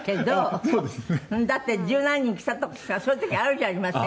だって十何人来たとかそういう時あるじゃありませんか。